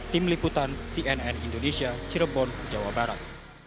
tim liputan cnn indonesia cirebon jawa barat